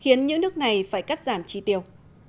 khiến những nước này phải cắt giảm chi tiêu